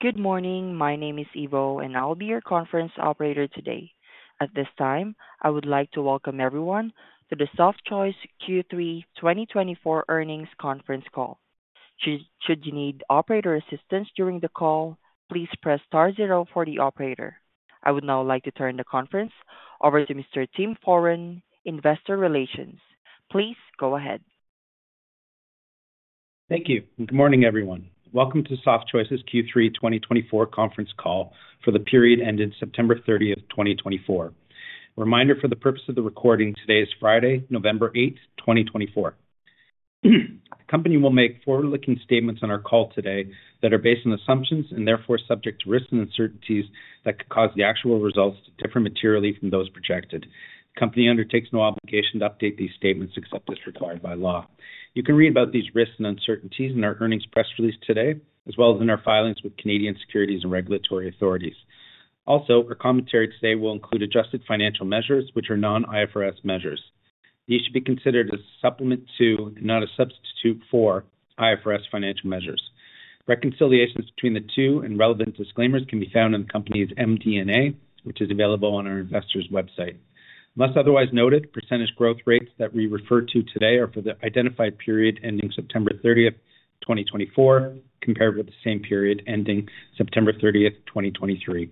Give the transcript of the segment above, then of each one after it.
Good morning. My name is Ivo, and I'll be your conference operator today. At this time, I would like to welcome everyone to the Softchoice Q3 2024 Earnings Conference Call. Should you need operator assistance during the call, please press star zero for the operator. I would now like to turn the conference over to Mr. Tim Foran, Investor Relations. Please go ahead. Thank you. Good morning, everyone. Welcome to Softchoice's Q3 2024 Conference Call for the period ended September 30th, 2024. Reminder for the purpose of the recording, today is Friday, November 8th, 2024. The company will make forward-looking statements on our call today that are based on assumptions and therefore subject to risks and uncertainties that could cause the actual results to differ materially from those projected. The company undertakes no obligation to update these statements except as required by law. You can read about these risks and uncertainties in our earnings press release today, as well as in our filings with Canadian securities and regulatory authorities. Also, our commentary today will include adjusted financial measures, which are non-IFRS measures. These should be considered as a supplement to, not a substitute for, IFRS financial measures. Reconciliations between the two and relevant disclaimers can be found in the company's MD&A, which is available on our investors' website. We must otherwise note that percentage growth rates that we refer to today are for the identified period ending September 30th, 2024, compared with the same period ending September 30th, 2023.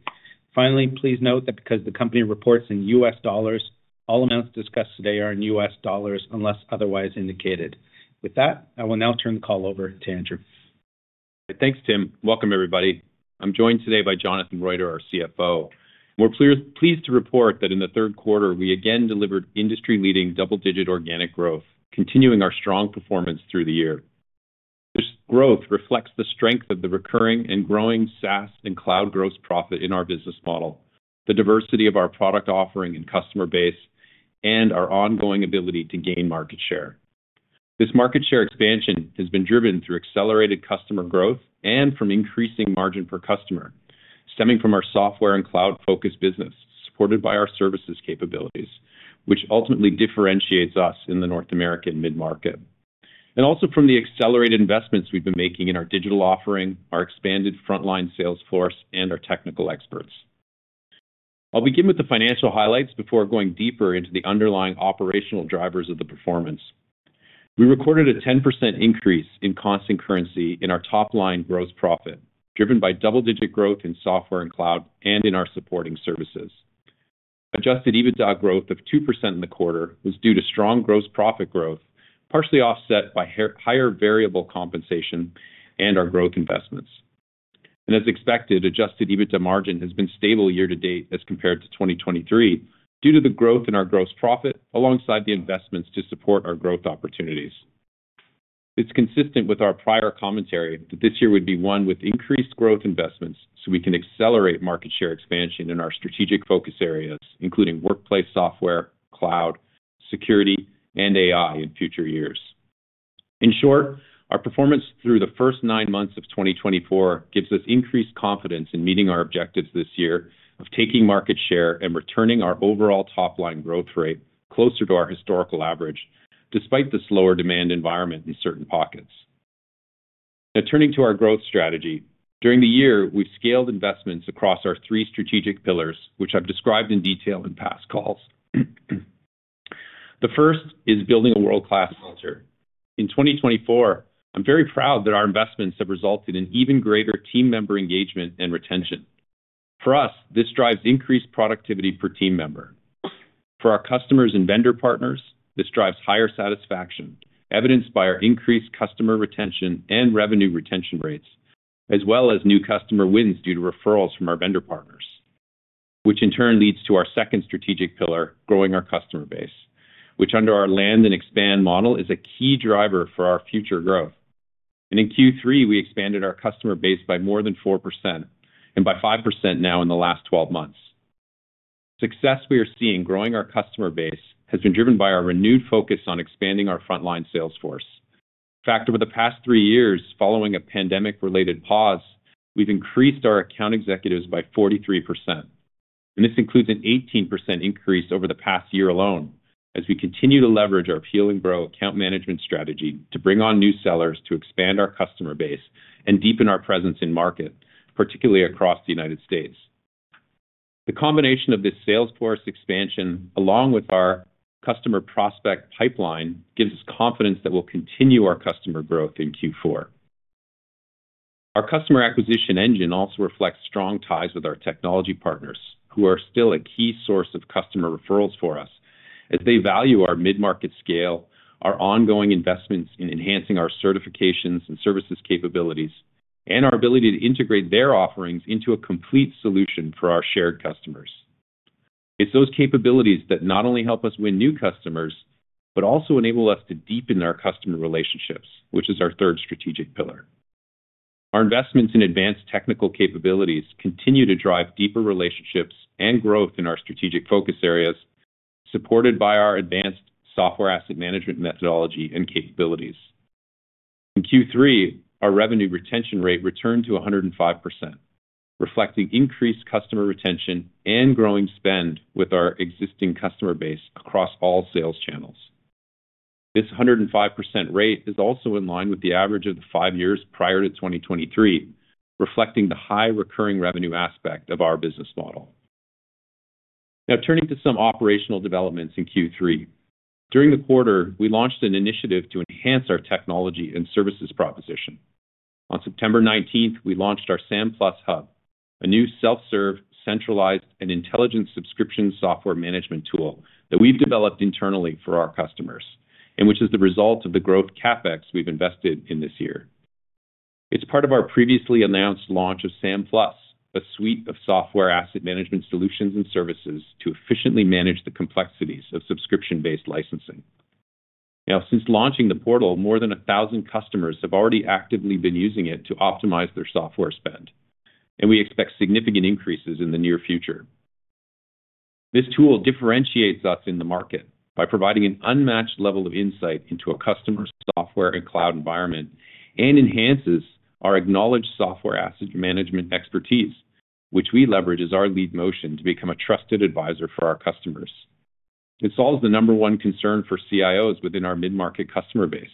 Finally, please note that because the company reports in U.S. dollars, all amounts discussed today are in U.S. dollars unless otherwise indicated. With that, I will now turn the call over to Andrew. Thanks, Tim. Welcome, everybody. I'm joined today by Jonathan Roiter, our CFO. We're pleased to report that in the Q3, we again delivered industry-leading double-digit organic growth, continuing our strong performance through the year. This growth reflects the strength of the recurring and growing SaaS and cloud gross profit in our business model, the diversity of our product offering and customer base, and our ongoing ability to gain market share. This market share expansion has been driven through accelerated customer growth and from increasing margin per customer, stemming from our software and cloud-focused business supported by our services capabilities, which ultimately differentiates us in the North American mid-market, and also from the accelerated investments we've been making in our digital offering, our expanded frontline sales force, and our technical experts. I'll begin with the financial highlights before going deeper into the underlying operational drivers of the performance. We recorded a 10% increase in constant currency in our top-line gross profit, driven by double-digit growth in software and cloud and in our supporting services. Adjusted EBITDA growth of 2% in the quarter was due to strong gross profit growth, partially offset by higher variable compensation and our growth investments, and as expected, adjusted EBITDA margin has been stable year to date as compared to 2023 due to the growth in our gross profit alongside the investments to support our growth opportunities. It's consistent with our prior commentary that this year would be one with increased growth investments so we can accelerate market share expansion in our strategic focus areas, including workplace software, cloud, security, and AI in future years. In short, our performance through the first nine months of 2024 gives us increased confidence in meeting our objectives this year of taking market share and returning our overall top-line growth rate closer to our historical average, despite the slower demand environment in certain pockets. Now, turning to our growth strategy, during the year, we've scaled investments across our three strategic pillars, which I've described in detail in past calls. The first is building a world-class culture. In 2024, I'm very proud that our investments have resulted in even greater team member engagement and retention. For us, this drives increased productivity per team member. For our customers and vendor partners, this drives higher satisfaction, evidenced by our increased customer retention and revenue retention rates, as well as new customer wins due to referrals from our vendor partners, which in turn leads to our second strategic pillar, growing our customer base, which under our land and expand model is a key driver for our future growth, and in Q3, we expanded our customer base by more than 4% and by 5% now in the last 12 months. The success we are seeing in growing our customer base has been driven by our renewed focus on expanding our frontline sales force. In fact, over the past three years, following a pandemic-related pause, we've increased our account executives by 43%. This includes an 18% increase over the past year alone, as we continue to leverage our appealing growth account management strategy to bring on new sellers to expand our customer base and deepen our presence in market, particularly across the United States. The combination of this sales force expansion, along with our customer prospect pipeline, gives us confidence that we'll continue our customer growth in Q4. Our customer acquisition engine also reflects strong ties with our technology partners, who are still a key source of customer referrals for us, as they value our mid-market scale, our ongoing investments in enhancing our certifications and services capabilities, and our ability to integrate their offerings into a complete solution for our shared customers. It's those capabilities that not only help us win new customers but also enable us to deepen our customer relationships, which is our third strategic pillar. Our investments in advanced technical capabilities continue to drive deeper relationships and growth in our strategic focus areas, supported by our advanced software asset management methodology and capabilities. In Q3, our revenue retention rate returned to 105%, reflecting increased customer retention and growing spend with our existing customer base across all sales channels. This 105% rate is also in line with the average of the five years prior to 2023, reflecting the high recurring revenue aspect of our business model. Now, turning to some operational developments in Q3. During the quarter, we launched an initiative to enhance our technology and services proposition. On September 19th, we launched our SAM+ Hub, a new self-serve, centralized, and intelligent subscription software management tool that we've developed internally for our customers and which is the result of the growth CapEx we've invested in this year. It's part of our previously announced launch of SAM+, a suite of software asset management solutions and services to efficiently manage the complexities of subscription-based licensing. Now, since launching the portal, more than 1,000 customers have already actively been using it to optimize their software spend, and we expect significant increases in the near future. This tool differentiates us in the market by providing an unmatched level of insight into a customer's software and cloud environment and enhances our acknowledged software asset management expertise, which we leverage as our lead motion to become a trusted advisor for our customers. It solves the number one concern for CIOs within our mid-market customer base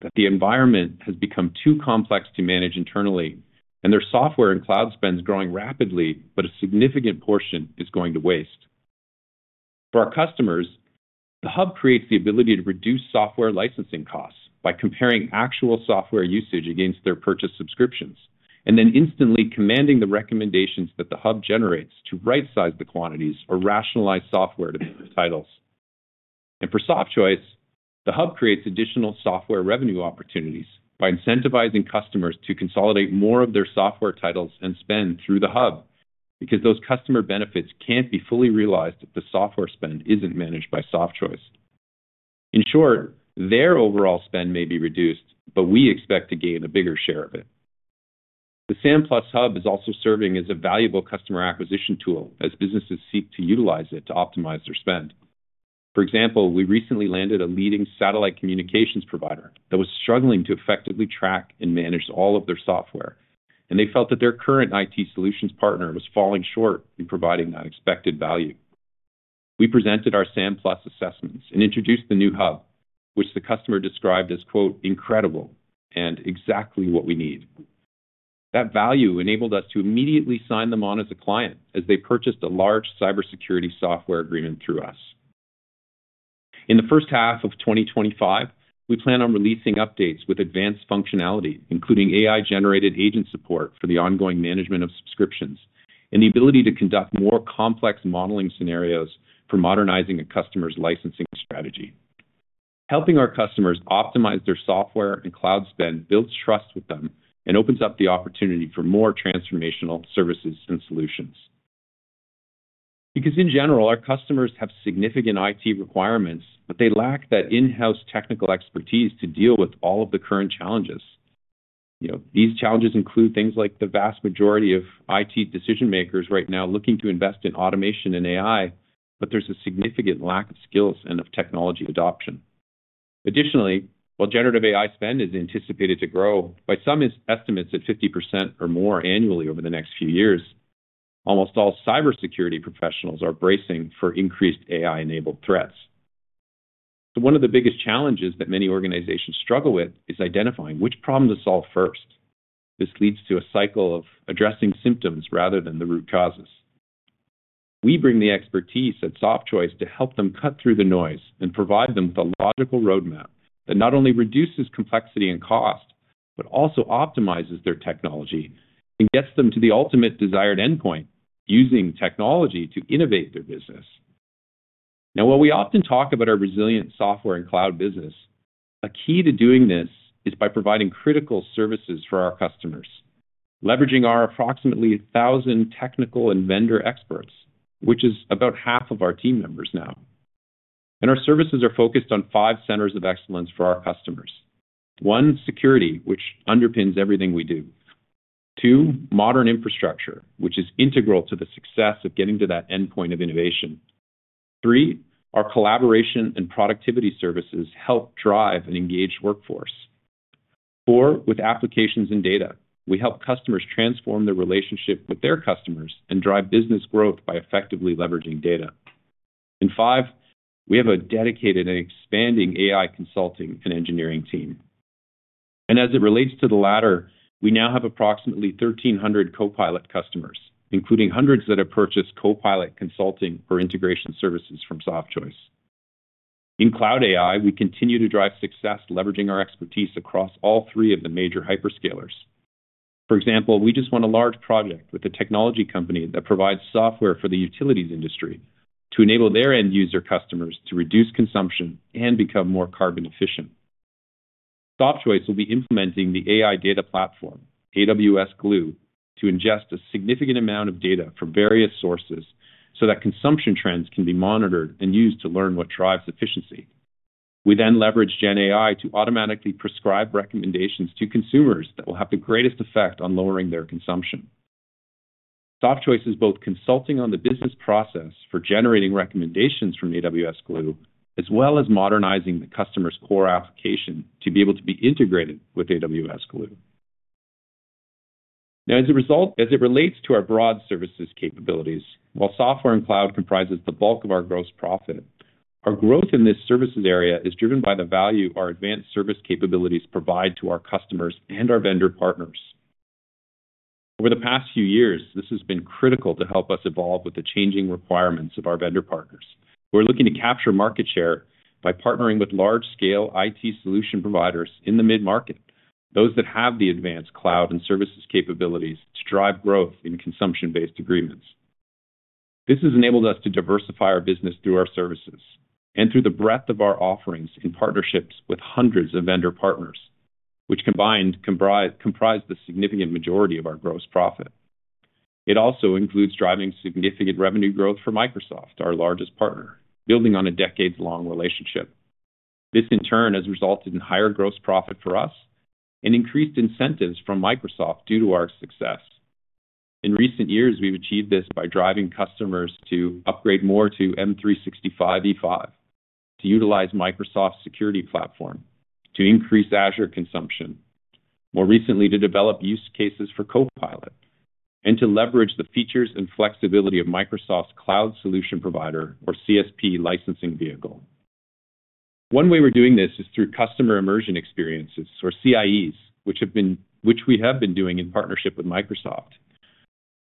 that the environment has become too complex to manage internally, and their software and cloud spend is growing rapidly, but a significant portion is going to waste. For our customers, the hub creates the ability to reduce software licensing costs by comparing actual software usage against their purchased subscriptions and then instantly commanding the recommendations that the hub generates to right-size the quantities or rationalize software titles. And for Softchoice, the hub creates additional software revenue opportunities by incentivizing customers to consolidate more of their software titles and spend through the hub because those customer benefits can't be fully realized if the software spend isn't managed by Softchoice. In short, their overall spend may be reduced, but we expect to gain a bigger share of it. The SAM+ Hub is also serving as a valuable customer acquisition tool as businesses seek to utilize it to optimize their spend. For example, we recently landed a leading satellite communications provider that was struggling to effectively track and manage all of their software, and they felt that their current IT solutions partner was falling short in providing that expected value. We presented our SAM Plus assessments and introduced the new hub, which the customer described as, quote, "Incredible" and exactly what we need. That value enabled us to immediately sign them on as a client as they purchased a large cybersecurity software agreement through us. In the first half of 2025, we plan on releasing updates with advanced functionality, including AI-generated agent support for the ongoing management of subscriptions and the ability to conduct more complex modeling scenarios for modernizing a customer's licensing strategy. Helping our customers optimize their software and cloud spend builds trust with them and opens up the opportunity for more transformational services and solutions. Because in general, our customers have significant IT requirements, but they lack that in-house technical expertise to deal with all of the current challenges. These challenges include things like the vast majority of IT decision-makers right now looking to invest in automation and AI, but there's a significant lack of skills and of technology adoption. Additionally, while generative AI spend is anticipated to grow by some estimates at 50% or more annually over the next few years, almost all cybersecurity professionals are bracing for increased AI-enabled threats. So one of the biggest challenges that many organizations struggle with is identifying which problem to solve first. This leads to a cycle of addressing symptoms rather than the root causes. We bring the expertise at Softchoice to help them cut through the noise and provide them with a logical roadmap that not only reduces complexity and cost, but also optimizes their technology and gets them to the ultimate desired endpoint using technology to innovate their business. Now, while we often talk about our resilient software and cloud business, a key to doing this is by providing critical services for our customers, leveraging our approximately 1,000 technical and vendor experts, which is about half of our team members now. And our services are focused on five centers of excellence for our customers. One, security, which underpins everything we do. Two, modern infrastructure, which is integral to the success of getting to that endpoint of innovation. Three, our collaboration and productivity services help drive an engaged workforce. Four, with applications and data, we help customers transform their relationship with their customers and drive business growth by effectively leveraging data. And five, we have a dedicated and expanding AI consulting and engineering team. And as it relates to the latter, we now have approximately 1,300 Copilot customers, including hundreds that have purchased Copilot consulting or integration services from Softchoice. In Cloud AI, we continue to drive success, leveraging our expertise across all three of the major hyperscalers. For example, we just won a large project with a technology company that provides software for the utilities industry to enable their end-user customers to reduce consumption and become more carbon-efficient. Softchoice will be implementing the AI data platform, AWS Glue, to ingest a significant amount of data from various sources so that consumption trends can be monitored and used to learn what drives efficiency. We then leverage GenAI to automatically prescribe recommendations to consumers that will have the greatest effect on lowering their consumption. Softchoice is both consulting on the business process for generating recommendations from AWS Glue, as well as modernizing the customer's core application to be able to be integrated with AWS Glue. Now, as a result, as it relates to our broad services capabilities, while software and cloud comprises the bulk of our gross profit, our growth in this services area is driven by the value our advanced service capabilities provide to our customers and our vendor partners. Over the past few years, this has been critical to help us evolve with the changing requirements of our vendor partners. We're looking to capture market share by partnering with large-scale IT solution providers in the mid-market, those that have the advanced cloud and services capabilities to drive growth in consumption-based agreements. This has enabled us to diversify our business through our services and through the breadth of our offerings in partnerships with hundreds of vendor partners, which combined comprise the significant majority of our gross profit. It also includes driving significant revenue growth for Microsoft, our largest partner, building on a decades-long relationship. This, in turn, has resulted in higher gross profit for us and increased incentives from Microsoft due to our success. In recent years, we've achieved this by driving customers to upgrade more to M365 E5, to utilize Microsoft Security Platform, to increase Azure consumption, more recently to develop use cases for Copilot, and to leverage the features and flexibility of Microsoft's cloud solution provider, or CSP, licensing vehicle. One way we're doing this is through customer immersion experiences, or CIEs, which we have been doing in partnership with Microsoft.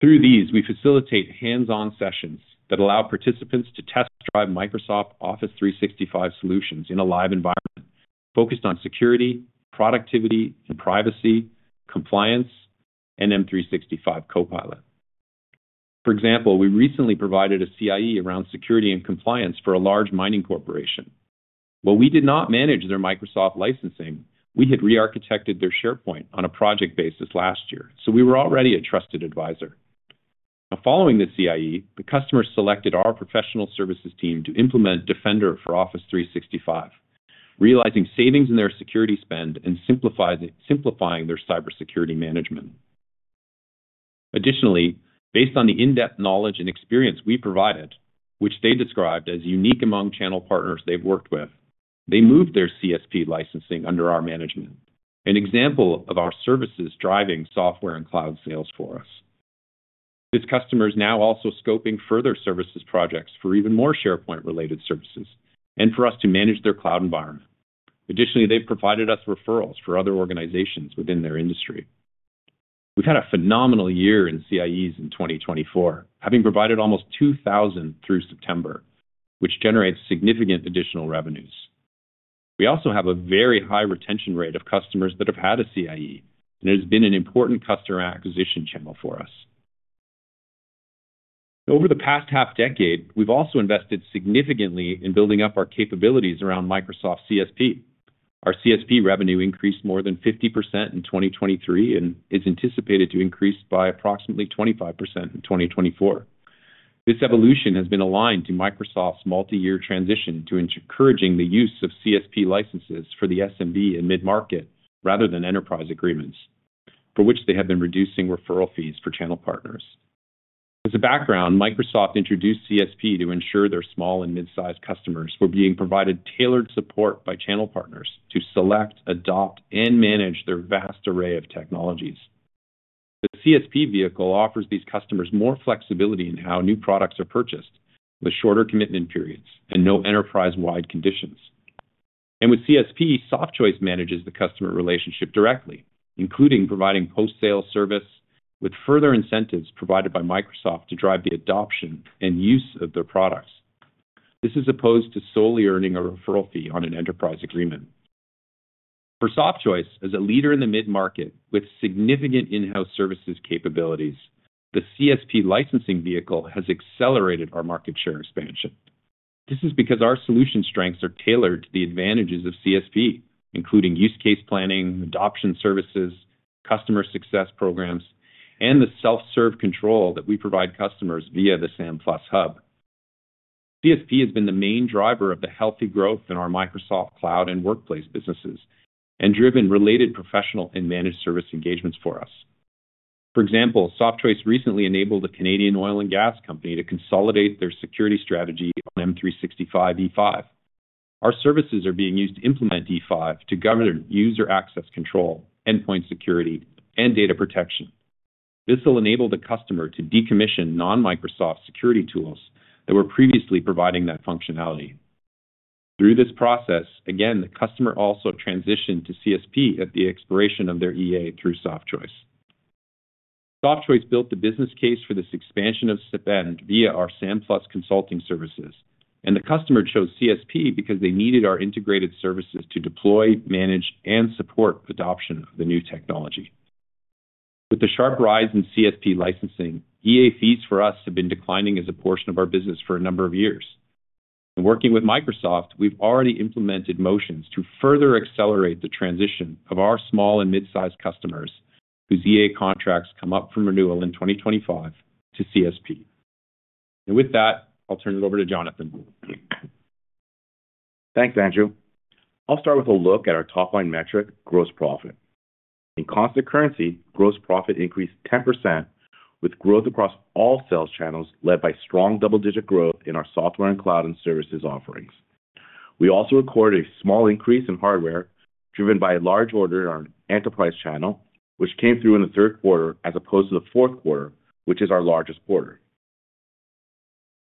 Through these, we facilitate hands-on sessions that allow participants to test-drive Microsoft Office 365 solutions in a live environment focused on security, productivity, and privacy, compliance, and M365 Copilot. For example, we recently provided a CIE around security and compliance for a large mining corporation. While we did not manage their Microsoft licensing, we had re-architected their SharePoint on a project basis last year, so we were already a trusted advisor. Now, following the CIE, the customer selected our professional services team to implement Defender for Office 365, realizing savings in their security spend and simplifying their cybersecurity management. Additionally, based on the in-depth knowledge and experience we provided, which they described as unique among channel partners they've worked with, they moved their CSP licensing under our management, an example of our services driving software and cloud sales for us. This customer is now also scoping further services projects for even more SharePoint-related services and for us to manage their cloud environment. Additionally, they've provided us referrals for other organizations within their industry. We've had a phenomenal year in CIEs in 2024, having provided almost 2,000 through September, which generates significant additional revenues. We also have a very high retention rate of customers that have had a CIE, and it has been an important customer acquisition channel for us. Over the past half-decade, we've also invested significantly in building up our capabilities around Microsoft CSP. Our CSP revenue increased more than 50% in 2023 and is anticipated to increase by approximately 25% in 2024. This evolution has been aligned to Microsoft's multi-year transition to encouraging the use of CSP licenses for the SMB and mid-market rather than enterprise agreements, for which they have been reducing referral fees for channel partners. As a background, Microsoft introduced CSP to ensure their small and mid-sized customers were being provided tailored support by channel partners to select, adopt, and manage their vast array of technologies. The CSP vehicle offers these customers more flexibility in how new products are purchased, with shorter commitment periods and no enterprise-wide conditions. And with CSP, Softchoice manages the customer relationship directly, including providing post-sale service with further incentives provided by Microsoft to drive the adoption and use of their products. This is opposed to solely earning a referral fee on an enterprise agreement. For Softchoice, as a leader in the mid-market with significant in-house services capabilities, the CSP licensing vehicle has accelerated our market share expansion. This is because our solution strengths are tailored to the advantages of CSP, including use case planning, adoption services, customer success programs, and the self-serve control that we provide customers via the SAM Plus Hub. CSP has been the main driver of the healthy growth in our Microsoft Cloud and Workplace businesses and driven related professional and managed service engagements for us. For example, Softchoice recently enabled a Canadian oil and gas company to consolidate their security strategy on M365 E5. Our services are being used to implement E5 to govern user access control, endpoint security, and data protection. This will enable the customer to decommission non-Microsoft security tools that were previously providing that functionality. Through this process, again, the customer also transitioned to CSP at the expiration of their EA through Softchoice. Softchoice built the business case for this expansion of spend via our SAM+ consulting services, and the customer chose CSP because they needed our integrated services to deploy, manage, and support adoption of the new technology. With the sharp rise in CSP licensing, EA fees for us have been declining as a portion of our business for a number of years. And working with Microsoft, we've already implemented motions to further accelerate the transition of our small and mid-sized customers whose EA contracts come up from renewal in 2025 to CSP. And with that, I'll turn it over to Jonathan. Thanks, Andrew. I'll start with a look at our top-line metric, gross profit. In constant currency, gross profit increased 10% with growth across all sales channels led by strong double-digit growth in our software and cloud and services offerings. We also recorded a small increase in hardware driven by a large order in our enterprise channel, which came through in the Q3 as opposed to the Q4, which is our largest quarter.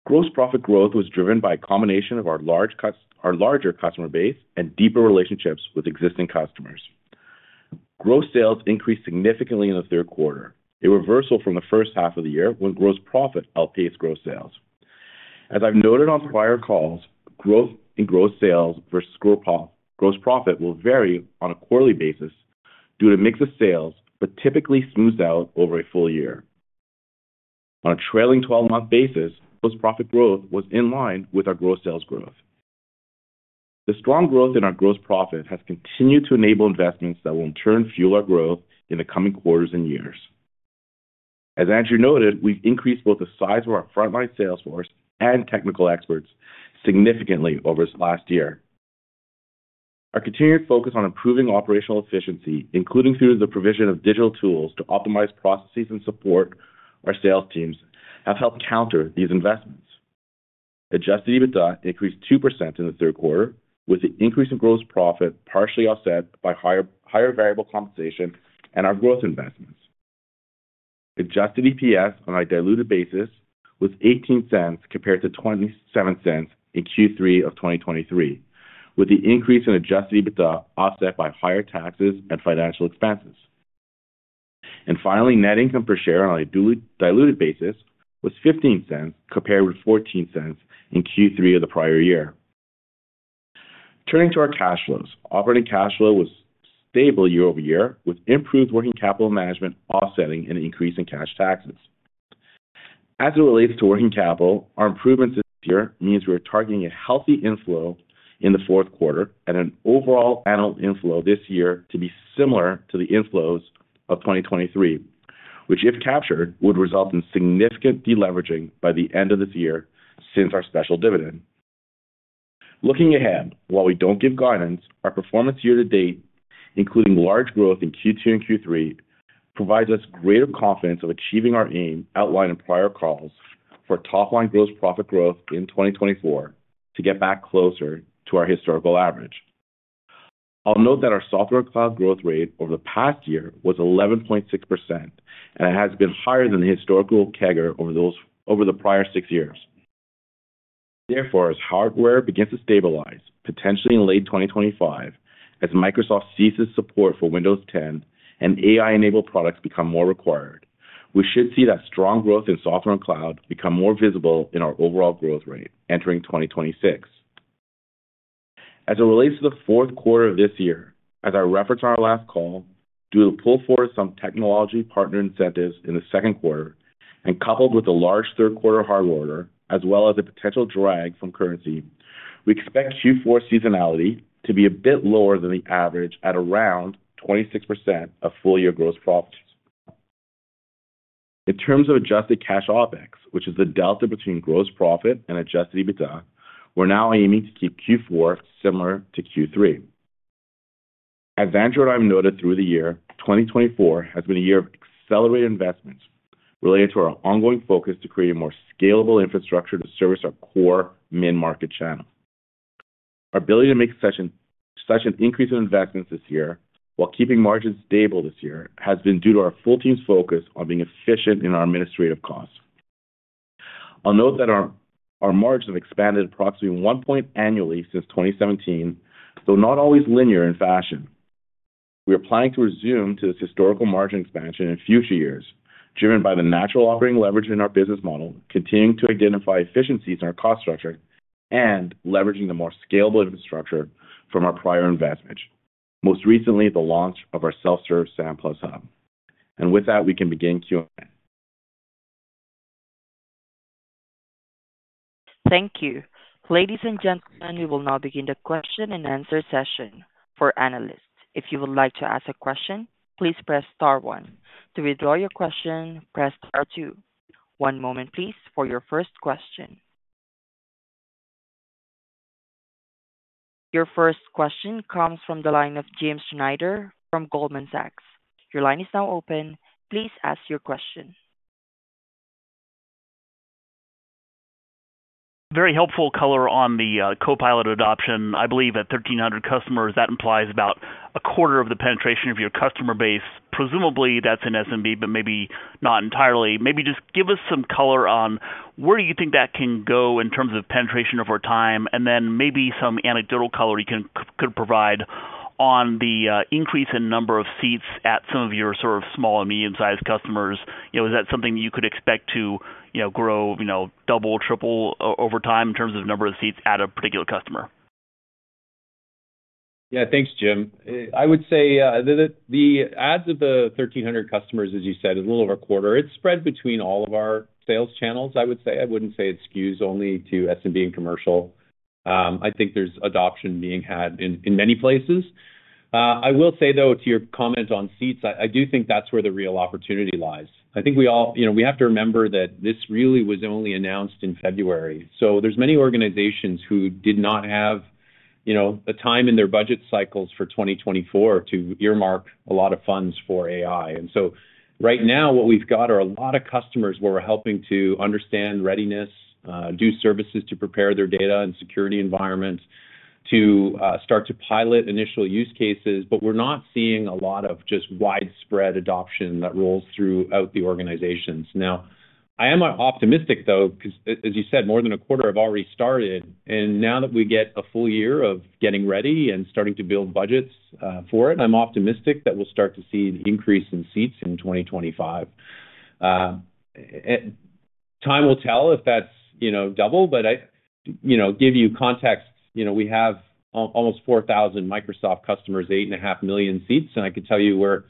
Gross profit growth was driven by a combination of our larger customer base and deeper relationships with existing customers. Gross sales increased significantly in the Q3, a reversal from the first half of the year when gross profit outpaced gross sales. As I've noted on prior calls, growth in gross sales versus gross profit will vary on a quarterly basis due to a mix of sales, but typically smooths out over a full year. On a trailing 12-month basis, gross profit growth was in line with our gross sales growth. The strong growth in our gross profit has continued to enable investments that will in turn fuel our growth in the coming quarters and years. As Andrew noted, we've increased both the size of our frontline sales force and technical experts significantly over this last year. Our continued focus on improving operational efficiency, including through the provision of digital tools to optimize processes and support our sales teams, has helped counter these investments. Adjusted EBITDA increased 2% in the Q3, with the increase in gross profit partially offset by higher variable compensation and our growth investments. Adjusted EPS on a diluted basis was $0.18 compared to $0.27 in Q3 of 2023, with the increase in adjusted EBITDA offset by higher taxes and financial expenses. And finally, net income per share on a diluted basis was $0.15 compared with $0.14 in Q3 of the prior year. Turning to our cash flows, operating cash flow was stable year-over-year with improved working capital management offsetting an increase in cash taxes. As it relates to working capital, our improvements this year means we are targeting a healthy inflow in the Q4 and an overall annual inflow this year to be similar to the inflows of 2023, which, if captured, would result in significant deleveraging by the end of this year since our special dividend. Looking ahead, while we don't give guidance, our performance year to date, including large growth in Q2 and Q3, provides us greater confidence of achieving our aim outlined in prior calls for top-line gross profit growth in 2024 to get back closer to our historical average. I'll note that our software cloud growth rate over the past year was 11.6%, and it has been higher than the historical CAGR over the prior six years. Therefore, as hardware begins to stabilize, potentially in late 2025, as Microsoft ceases support for Windows 10 and AI-enabled products become more required, we should see that strong growth in software and cloud become more visible in our overall growth rate entering 2026. As it relates to the Q4 of this year, as I referenced on our last call, due to the pull forward of some technology partner incentives in the Q2 and coupled with a large third-quarter hardware order, as well as a potential drag from currency, we expect Q4 seasonality to be a bit lower than the average at around 26% of full-year gross profits. In terms of adjusted cash OpEx, which is the delta between gross profit and adjusted EBITDA, we're now aiming to keep Q4 similar to Q3. As Andrew and I have noted through the year, 2024 has been a year of accelerated investments related to our ongoing focus to create a more scalable infrastructure to service our core mid-market channel. Our ability to make such an increase in investments this year while keeping margins stable this year has been due to our full team's focus on being efficient in our administrative costs. I'll note that our margins have expanded approximately one point annually since 2017, though not always linear in fashion. We are planning to resume this historical margin expansion in future years, driven by the natural operating leverage in our business model, continuing to identify efficiencies in our cost structure, and leveraging the more scalable infrastructure from our prior investments, most recently the launch of our self-serve SAM Plus Hub, and with that, we can begin Q&A. Thank you. Ladies and gentlemen, we will now begin the Q&A session for analysts. If you would like to ask a question, please press Star 1. To withdraw your question, press Star 2. One moment, please, for your first question. Your first question comes from the line of Jim Schneider from Goldman Sachs. Your line is now open. Please ask your question. Very helpful color on the Copilot adoption. I believe at 1,300 customers, that implies about a quarter of the penetration of your customer base. Presumably, that's an SMB, but maybe not entirely. Maybe just give us some color on where do you think that can go in terms of penetration over time, and then maybe some anecdotal color you could provide on the increase in number of seats at some of your sort of small and medium-sized customers. Is that something that you could expect to grow double, triple over time in terms of number of seats at a particular customer? Yeah, thanks, Jim. I would say the adds of the 1,300 customers, as you said, is a little over a quarter. It's spread between all of our sales channels, I would say. I wouldn't say it skews only to SMB and commercial. I think there's adoption being had in many places. I will say, though, to your comment on seats, I do think that's where the real opportunity lies. I think we have to remember that this really was only announced in February. So there's many organizations who did not have the time in their budget cycles for 2024 to earmark a lot of funds for AI. And so right now, what we've got are a lot of customers where we're helping to understand readiness, do services to prepare their data and security environments, to start to pilot initial use cases, but we're not seeing a lot of just widespread adoption that rolls throughout the organizations. Now, I am optimistic, though, because, as you said, more than a quarter have already started. And now that we get a full year of getting ready and starting to build budgets for it, I'm optimistic that we'll start to see an increase in seats in 2025. Time will tell if that's double, but I'll give you context. We have almost 4,000 Microsoft customers, 8.5 million seats, and I can tell you we're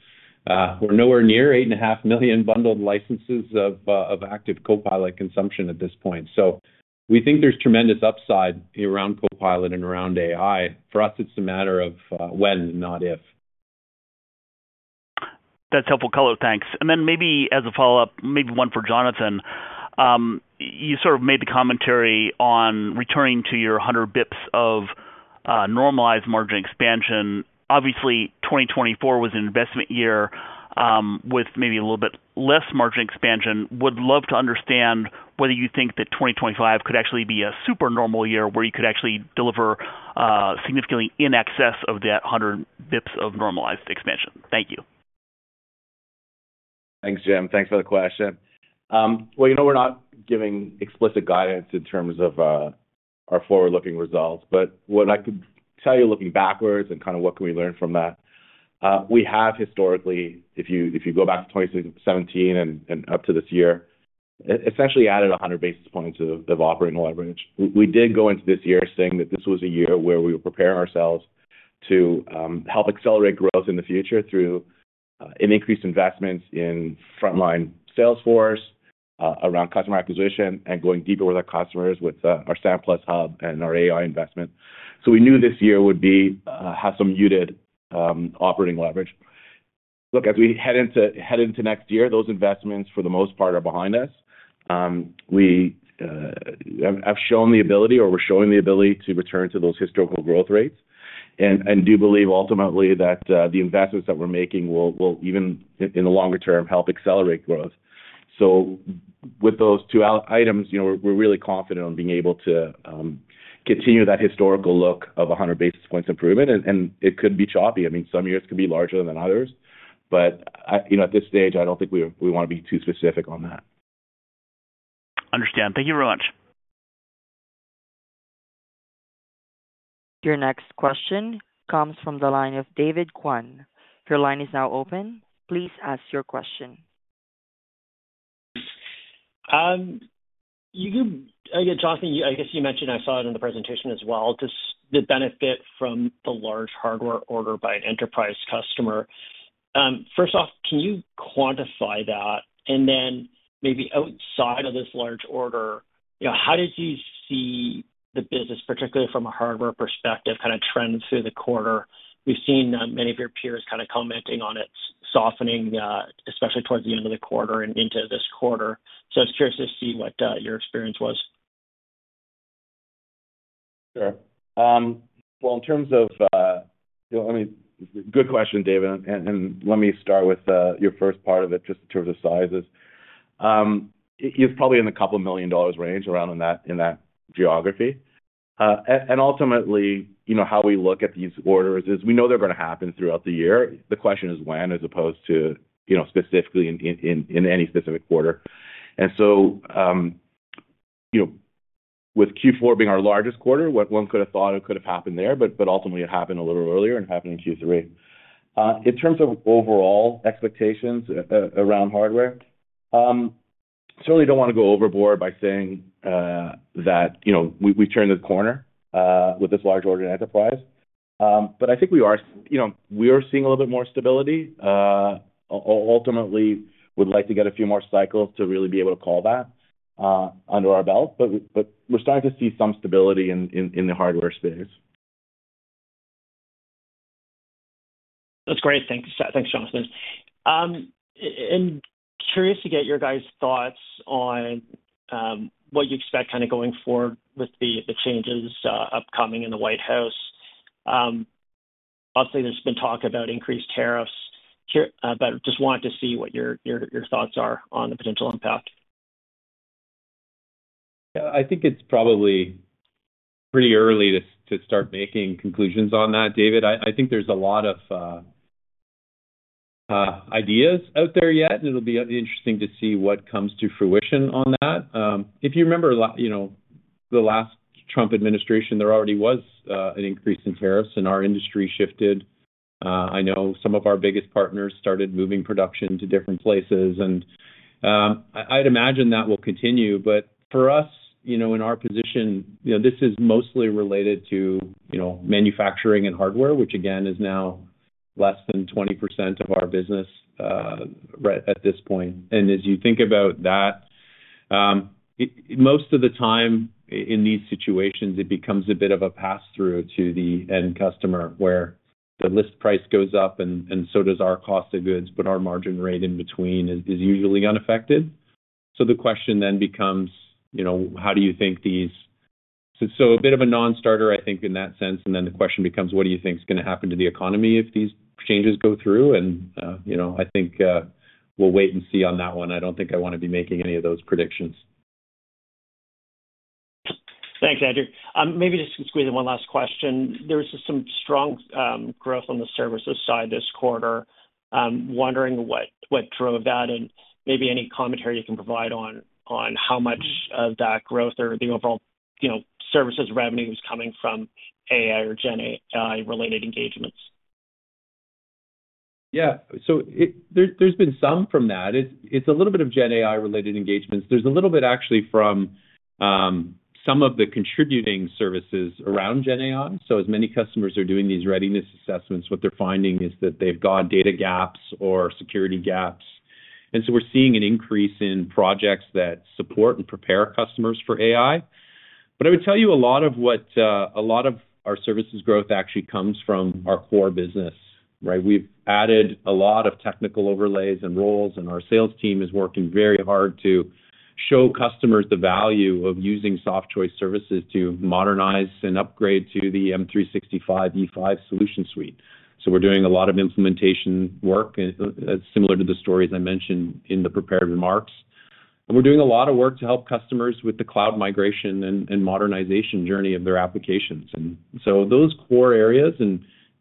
nowhere near 8.5 million bundled licenses of active Copilot consumption at this point. So we think there's tremendous upside around Copilot and around AI. For us, it's a matter of when, not if. That's helpful color, thanks, and then maybe as a follow-up, maybe one for Jonathan. You sort of made the commentary on returning to your 100 basis points of normalized margin expansion. Obviously, 2024 was an investment year with maybe a little bit less margin expansion. Would love to understand whether you think that 2025 could actually be a super normal year where you could actually deliver significantly in excess of that 100 basis points of normalized expansion. Thank you. Thanks, Jim. Thanks for the question. You know we're not giving explicit guidance in terms of our forward-looking results, but what I could tell you looking backwards and kind of what can we learn from that, we have historically, if you go back to 2017 and up to this year, essentially added 100 basis points of operating leverage. We did go into this year saying that this was a year where we would prepare ourselves to help accelerate growth in the future through an increased investment in frontline salesforce, around customer acquisition, and going deeper with our customers with our SAM Plus Hub and our AI investment. So we knew this year would have some muted operating leverage. Look, as we head into next year, those investments, for the most part, are behind us. We have shown the ability, or we're showing the ability to return to those historical growth rates, and do believe ultimately that the investments that we're making will, even in the longer term, help accelerate growth. So with those two items, we're really confident on being able to continue that historical look of 100 basis points improvement, and it could be choppy. I mean, some years could be larger than others, but at this stage, I don't think we want to be too specific on that. Understand. Thank you very much. Your next question comes from the line of David Kwan. Your line is now open. Please ask your question. Jonathan, I guess you mentioned I saw it in the presentation as well, the benefit from the large hardware order by an enterprise customer. First off, can you quantify that? And then maybe outside of this large order, how did you see the business, particularly from a hardware perspective, kind of trend through the quarter? We've seen many of your peers kind of commenting on it softening, especially towards the end of the quarter and into this quarter. So I was curious to see what your experience was. Sure. Well, it's a good question, David, and let me start with your first part of it just in terms of size. It's probably in the $2 million range around in that geography. And ultimately, how we look at these orders is we know they're going to happen throughout the year. The question is when, as opposed to specifically in any specific quarter. And so with Q4 being our largest quarter, one could have thought it could have happened there, but ultimately it happened a little earlier and happened in Q3. In terms of overall expectations around hardware, I certainly don't want to go overboard by saying that we've turned the corner with this large order in enterprise. But I think we are seeing a little bit more stability. Ultimately, we'd like to get a few more cycles to really be able to call that under our belt, but we're starting to see some stability in the hardware space. That's great. Thanks, Jonathan. And curious to get your guys' thoughts on what you expect kind of going forward with the changes upcoming in the White House. Obviously, there's been talk about increased tariffs, but just wanted to see what your thoughts are on the potential impact. Yeah, I think it's probably pretty early to start making conclusions on that, David. I think there's a lot of ideas out there yet, and it'll be interesting to see what comes to fruition on that. If you remember the last Trump administration, there already was an increase in tariffs, and our industry shifted. I know some of our biggest partners started moving production to different places, and I'd imagine that will continue. But for us, in our position, this is mostly related to manufacturing and hardware, which, again, is now less than 20% of our business at this point. And as you think about that, most of the time in these situations, it becomes a bit of a pass-through to the end customer where the list price goes up, and so does our cost of goods, but our margin rate in between is usually unaffected. So the question then becomes, how do you think these - so a bit of a non-starter, I think, in that sense. And then the question becomes, what do you think is going to happen to the economy if these changes go through? And I think we'll wait and see on that one. I don't think I want to be making any of those predictions. Thanks, Andrew. Maybe just squeeze in one last question. There was some strong growth on the services side this quarter. Wondering what drove that, and maybe any commentary you can provide on how much of that growth or the overall services revenue was coming from AI or GenAI-related engagements. Yeah. So there's been some from that. It's a little bit of GenAI-related engagements. There's a little bit actually from some of the contributing services around GenAI. So as many customers are doing these readiness assessments, what they're finding is that they've got data gaps or security gaps. And so we're seeing an increase in projects that support and prepare customers for AI. But I would tell you a lot of what a lot of our services growth actually comes from our core business, right? We've added a lot of technical overlays and roles, and our sales team is working very hard to show customers the value of using Softchoice Services to modernize and upgrade to the M365 E5 solution suite. So we're doing a lot of implementation work, similar to the stories I mentioned in the prepared remarks. We're doing a lot of work to help customers with the cloud migration and modernization journey of their applications. And so those core areas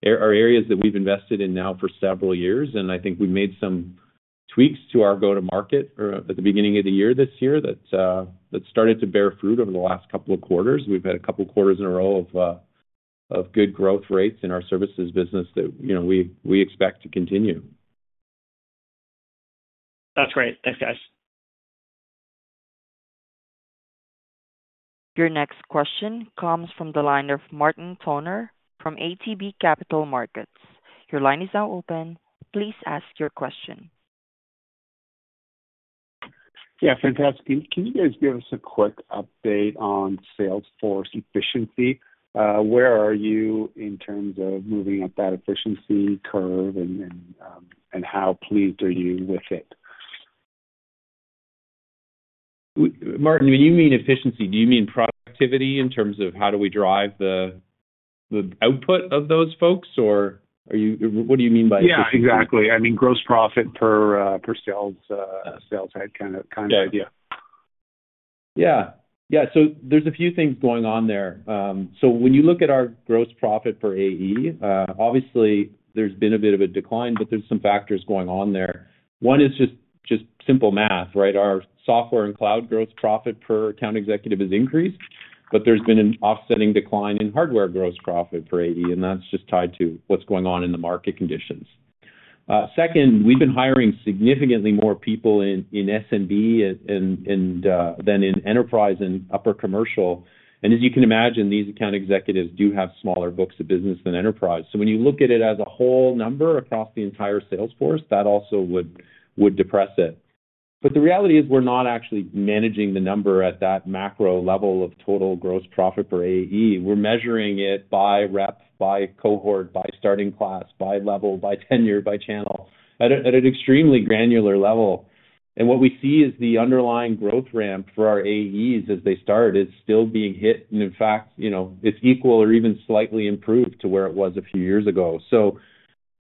are areas that we've invested in now for several years, and I think we've made some tweaks to our go-to-market at the beginning of the year this year that started to bear fruit over the last couple of quarters. We've had a couple of quarters in a row of good growth rates in our services business that we expect to continue. That's great. Thanks, guys. Your next question comes from the line of Martin Toner from ATB Capital Markets. Your line is now open. Please ask your question. Yeah, fantastic. Can you guys give us a quick update on Salesforce efficiency? Where are you in terms of moving up that efficiency curve, and how pleased are you with it? Martin, when you mean efficiency, do you mean productivity in terms of how do we drive the output of those folks, or what do you mean by efficiency? Yeah, exactly. I mean, gross profit per sales head kind of idea. Yeah. Yeah. So there's a few things going on there. So when you look at our gross profit for AE, obviously, there's been a bit of a decline, but there's some factors going on there. One is just simple math, right? Our software and cloud gross profit per account executive has increased, but there's been an offsetting decline in hardware gross profit for AE, and that's just tied to what's going on in the market conditions. Second, we've been hiring significantly more people in SMB than in enterprise and upper commercial. And as you can imagine, these account executives do have smaller books of business than enterprise. So when you look at it as a whole number across the entire sales force, that also would depress it. But the reality is we're not actually managing the number at that macro level of total gross profit for AE. We're measuring it by rep, by cohort, by starting class, by level, by tenure, by channel at an extremely granular level. And what we see is the underlying growth ramp for our AEs as they start is still being hit. And in fact, it's equal or even slightly improved to where it was a few years ago. So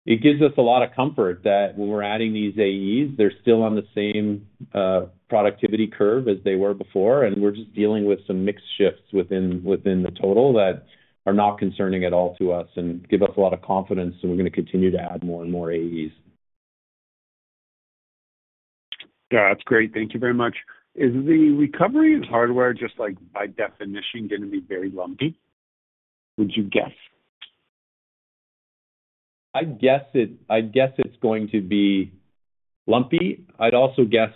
it gives us a lot of comfort that when we're adding these AEs, they're still on the same productivity curve as they were before, and we're just dealing with some mixed shifts within the total that are not concerning at all to us and give us a lot of confidence that we're going to continue to add more and more AEs. Yeah, that's great. Thank you very much. Is the recovery of hardware just by definition going to be very lumpy? Would you guess? I guess it's going to be lumpy. I'd also guess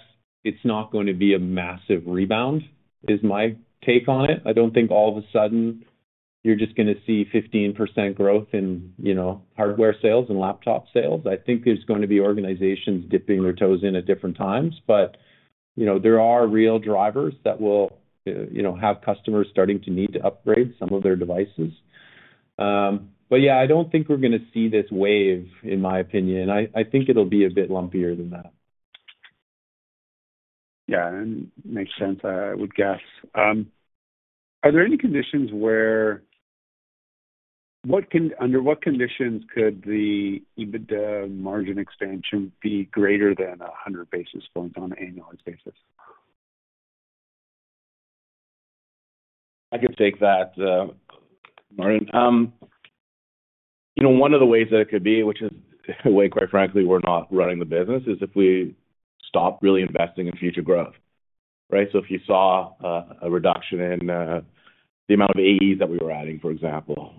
it's not going to be a massive rebound is my take on it. I don't think all of a sudden you're just going to see 15% growth in hardware sales and laptop sales. I think there's going to be organizations dipping their toes in at different times, but there are real drivers that will have customers starting to need to upgrade some of their devices. But yeah, I don't think we're going to see this wave, in my opinion. I think it'll be a bit lumpier than that. Yeah, makes sense. I would guess. Are there any conditions where under what conditions could the EBITDA margin expansion be greater than 100 basis points on an annualized basis? I could take that, Martin. One of the ways that it could be, which is a way, quite frankly, we're not running the business, is if we stop really investing in future growth, right? So if you saw a reduction in the amount of AEs that we were adding, for example,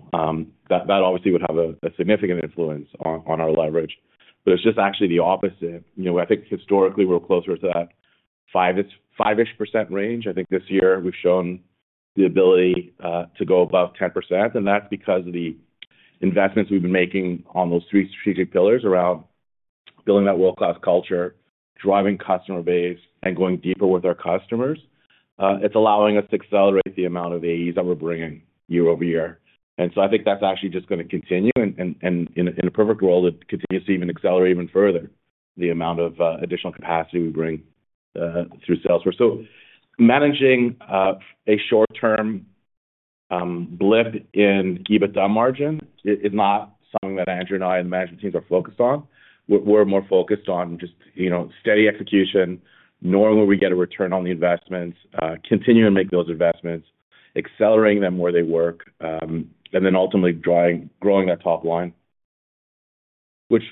that obviously would have a significant influence on our leverage. But it's just actually the opposite. I think historically we're closer to that five-ish % range. I think this year we've shown the ability to go above 10%, and that's because of the investments we've been making on those three strategic pillars around building that world-class culture, driving customer base, and going deeper with our customers. It's allowing us to accelerate the amount of AEs that we're bringing year-over-year. And so I think that's actually just going to continue, and in a perfect world, it continues to even accelerate even further the amount of additional capacity we bring through Salesforce. So managing a short-term blip in EBITDA margin is not something that Andrew and I and the management teams are focused on. We're more focused on just steady execution, knowing where we get a return on the investments, continuing to make those investments, accelerating them where they work, and then ultimately growing that top line, which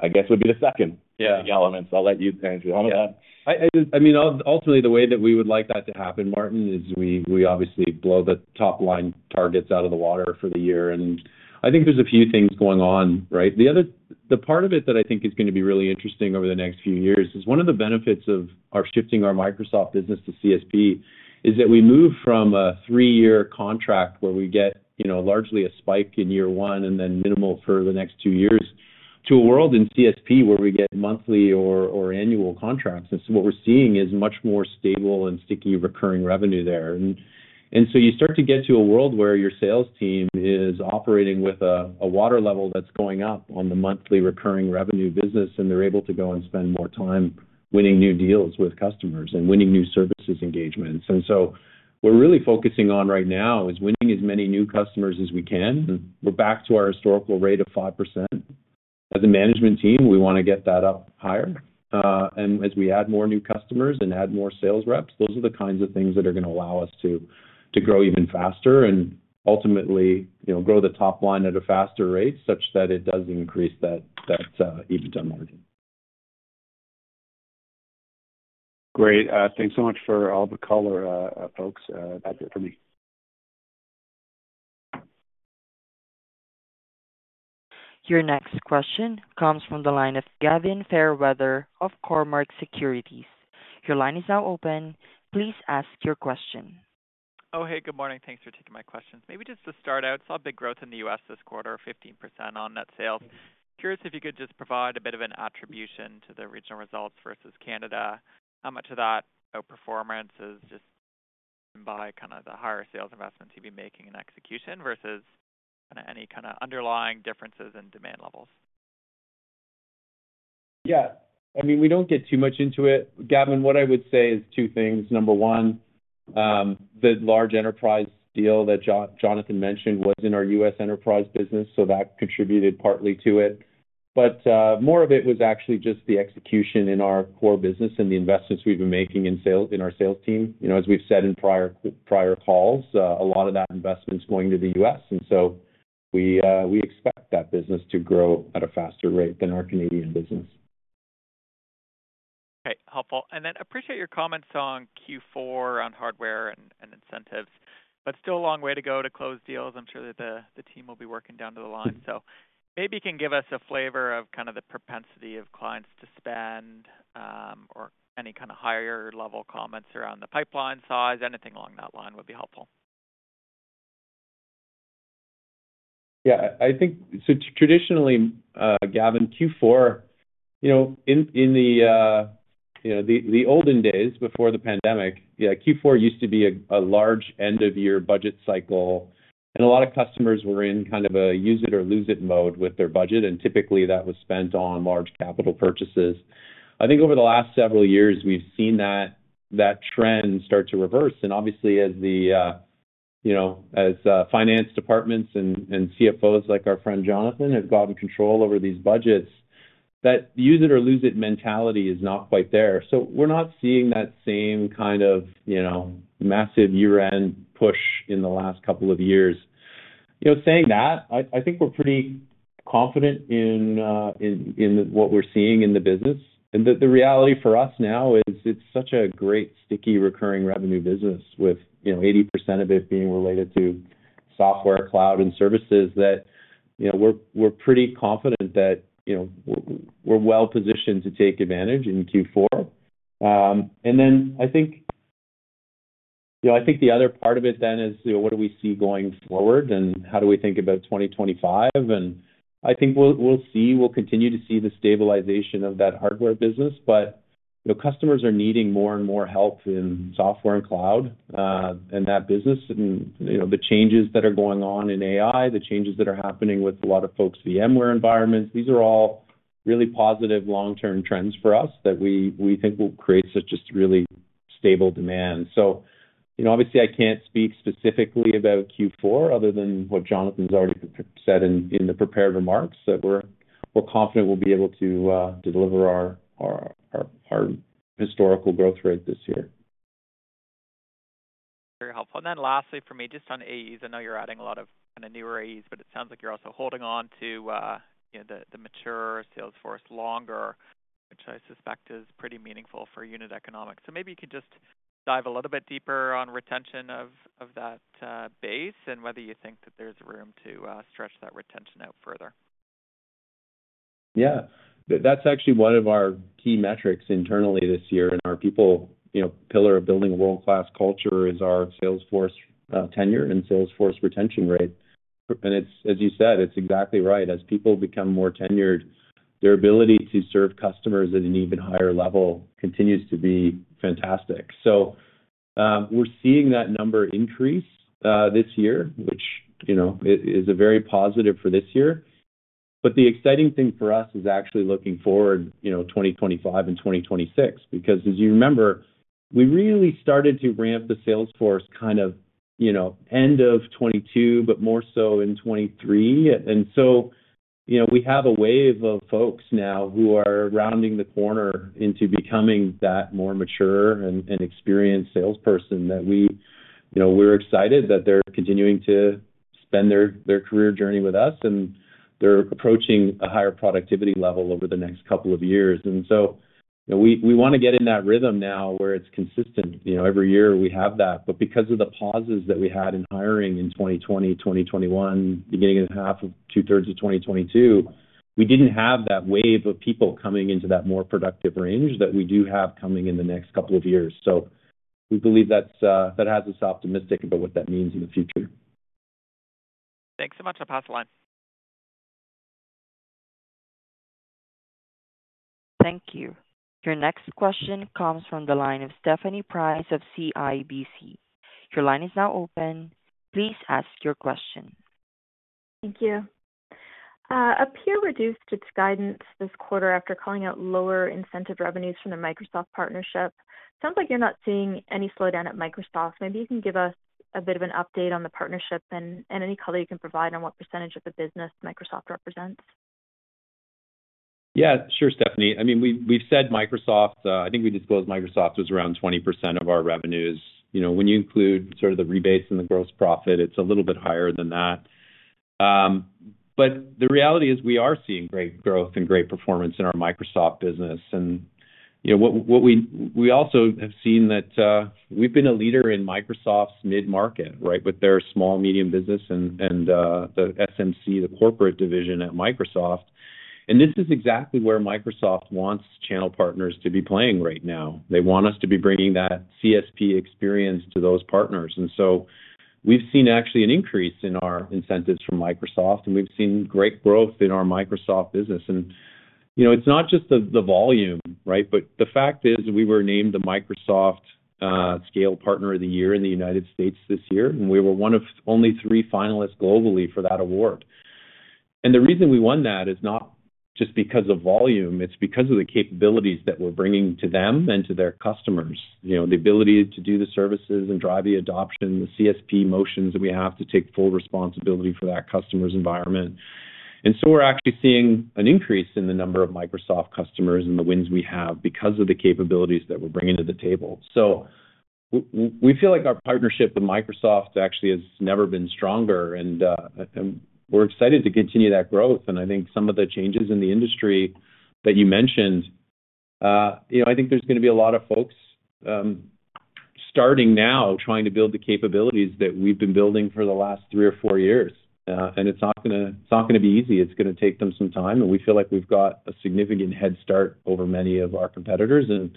I guess would be the second element. So I'll let you, Andrew. I mean, ultimately, the way that we would like that to happen, Martin, is we obviously blow the top line targets out of the water for the year. And I think there's a few things going on, right? The part of it that I think is going to be really interesting over the next few years is one of the benefits of shifting our Microsoft business to CSP is that we move from a three-year contract where we get largely a spike in year one and then minimal for the next two years to a world in CSP where we get monthly or annual contracts. And so what we're seeing is much more stable and sticky recurring revenue there. And so you start to get to a world where your sales team is operating with a water level that's going up on the monthly recurring revenue business, and they're able to go and spend more time winning new deals with customers and winning new services engagements. And so what we're really focusing on right now is winning as many new customers as we can. And we're back to our historical rate of 5%. As a management team, we want to get that up higher. And as we add more new customers and add more sales reps, those are the kinds of things that are going to allow us to grow even faster and ultimately grow the top line at a faster rate such that it does increase that EBITDA margin. Great. Thanks so much for all the color, folks. That's it for me. Your next question comes from the line of Gavin Fairweather of Cormark Securities. Your line is now open. Please ask your question. Oh, hey, good morning. Thanks for taking my questions. Maybe just to start out, I saw big growth in the U.S. this quarter, 15% on net sales. Curious if you could just provide a bit of an attribution to the regional results versus Canada. How much of that performance is just driven by kind of the higher sales investments you've been making in execution versus any kind of underlying differences in demand levels? Yeah. I mean, we don't get too much into it. Gavin, what I would say is two things. Number one, the large enterprise deal that Jonathan mentioned was in our U.S. enterprise business, so that contributed partly to it. But more of it was actually just the execution in our core business and the investments we've been making in our sales team. As we've said in prior calls, a lot of that investment's going to the U.S. And so we expect that business to grow at a faster rate than our Canadian business. Okay. Helpful, and then I appreciate your comments on Q4 on hardware and incentives, but still a long way to go to close deals. I'm sure that the team will be working down to the line, so maybe you can give us a flavor of kind of the propensity of clients to spend or any kind of higher-level comments around the pipeline size, anything along that line would be helpful. Yeah. So traditionally, Gavin, Q4, in the olden days before the pandemic, Q4 used to be a large end-of-year budget cycle, and a lot of customers were in kind of a use-it-or-lose-it mode with their budget, and typically that was spent on large capital purchases. I think over the last several years, we've seen that trend start to reverse, and obviously, as finance departments and CFOs like our friend Jonathan have gotten control over these budgets, that use-it-or-lose-it mentality is not quite there, so we're not seeing that same kind of massive year-end push in the last couple of years. Saying that, I think we're pretty confident in what we're seeing in the business, and the reality for us now is it's such a great sticky recurring revenue business, with 80% of it being related to software, cloud, and services that we're pretty confident that we're well-positioned to take advantage in Q4, and then I think the other part of it then is what do we see going forward, and how do we think about 2025? I think we'll continue to see the stabilization of that hardware business, but customers are needing more and more help in software and cloud and that business, and the changes that are going on in AI, the changes that are happening with a lot of folks' VMware environments. These are all really positive long-term trends for us that we think will create such just really stable demand. So obviously, I can't speak specifically about Q4 other than what Jonathan's already said in the prepared remarks that we're confident we'll be able to deliver our historical growth rate this year. Very helpful. And then lastly for me, just on AEs, I know you're adding a lot of kind of newer AEs, but it sounds like you're also holding on to the mature sales force longer, which I suspect is pretty meaningful for unit economics. So maybe you could just dive a little bit deeper on retention of that base and whether you think that there's room to stretch that retention out further. Yeah. That's actually one of our key metrics internally this year, and our people pillar of building a world-class culture is our sales force tenure and sales force retention rate. And as you said, it's exactly right. As people become more tenured, their ability to serve customers at an even higher level continues to be fantastic. So we're seeing that number increase this year, which is very positive for this year. But the exciting thing for us is actually looking forward to 2025 and 2026 because, as you remember, we really started to ramp the Salesforce kind of end of 2022, but more so in 2023. And so we have a wave of folks now who are rounding the corner into becoming that more mature and experienced salesperson that we're excited that they're continuing to spend their career journey with us, and they're approaching a higher productivity level over the next couple of years. And so we want to get in that rhythm now where it's consistent. Every year we have that. But because of the pauses that we had in hiring in 2020, 2021, beginning of the half of two-thirds of 2022, we didn't have that wave of people coming into that more productive range that we do have coming in the next couple of years. So we believe that has us optimistic about what that means in the future. Thanks so much. I'll pass the line. Thank you. Your next question comes from the line of Stephanie Price of CIBC. Your line is now open. Please ask your question. Thank you. A peer reduced its guidance this quarter after calling out lower incentive revenues from the Microsoft partnership. Sounds like you're not seeing any slowdown at Microsoft. Maybe you can give us a bit of an update on the partnership and any color you can provide on what percentage of the business Microsoft represents. Yeah, sure, Stephanie. I mean, we've said Microsoft. I think we disclosed Microsoft was around 20% of our revenues. When you include sort of the rebates and the gross profit, it's a little bit higher than that. But the reality is we are seeing great growth and great performance in our Microsoft business. And we also have seen that we've been a leader in Microsoft's mid-market, right, with their small, medium business and the SMC, the corporate division at Microsoft. And this is exactly where Microsoft wants channel partners to be playing right now. They want us to be bringing that CSP experience to those partners. And so we've seen actually an increase in our incentives from Microsoft, and we've seen great growth in our Microsoft business. And it's not just the volume, right, but the fact is we were named the Microsoft Scale Partner of the Year in the United States this year, and we were one of only three finalists globally for that award. And the reason we won that is not just because of volume. It's because of the capabilities that we're bringing to them and to their customers, the ability to do the services and drive the adoption, the CSP motions that we have to take full responsibility for that customer's environment. And so we're actually seeing an increase in the number of Microsoft customers and the wins we have because of the capabilities that we're bringing to the table. So we feel like our partnership with Microsoft actually has never been stronger, and we're excited to continue that growth. I think some of the changes in the industry that you mentioned, I think there's going to be a lot of folks starting now trying to build the capabilities that we've been building for the last three or four years. And it's not going to be easy. It's going to take them some time. And we feel like we've got a significant head start over many of our competitors, and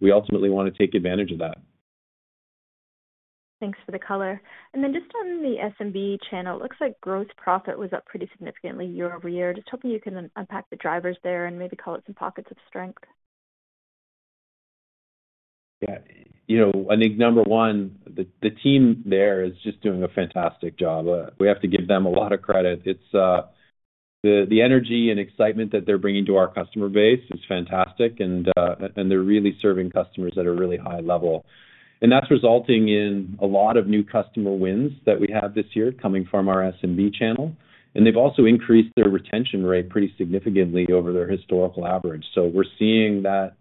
we ultimately want to take advantage of that. Thanks for the color. And then just on the SMB channel, it looks like gross profit was up pretty significantly year-over-year. Just hoping you can unpack the drivers there and maybe call out some pockets of strength. Yeah. I think number one, the team there is just doing a fantastic job. We have to give them a lot of credit. The energy and excitement that they're bringing to our customer base is fantastic, and they're really serving customers at a really high level, and that's resulting in a lot of new customer wins that we have this year coming from our SMB channel, and they've also increased their retention rate pretty significantly over their historical average, so we're seeing that